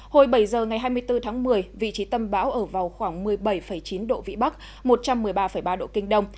hồi bảy giờ ngày hai mươi bốn tháng một mươi vị trí tâm bão ở vào khoảng một mươi bảy chín độ vĩ bắc một trăm một mươi ba ba độ kinh đông